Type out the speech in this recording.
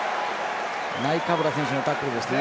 ナイカブラ選手のタックルでしたね。